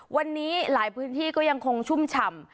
วันนี้หลายพื้นที่ก็ยังคงชุ่มฉ่ำ